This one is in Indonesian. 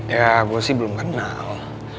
ya gue sih belum kenal